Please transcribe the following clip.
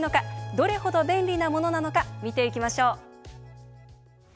どれ程、便利なものなのか見ていきましょう。